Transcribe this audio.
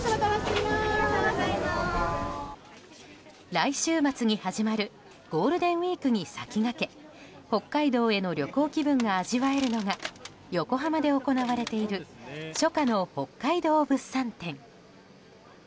来週末に始まるゴールデンウィークに先駆け北海道への旅行気分が味わえるのが横浜で行われている初夏の北海道物産展。